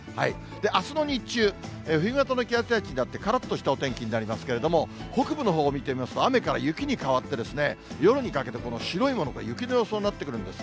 あすの日中、冬型の気圧配置になって、からっとしたお天気になりますけれども、北部のほうを見てみますと、雨から雪に変わって、夜にかけて白いものが雪の予想になってくるんです。